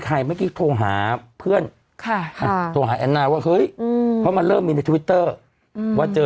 เมื่อกี้โทรหาเพื่อนโทรหาแอนนาว่าเฮ้ยเพราะมันเริ่มมีในทวิตเตอร์ว่าเจอ